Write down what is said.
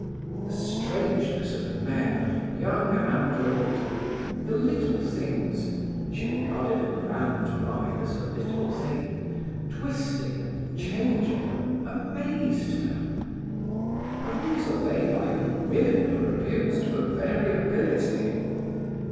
The strangeness of men, young and old, the little things (she regarded a grand wine as a little thing) twisting and changing them, amazed her. And these are they by whom women are abused for variability!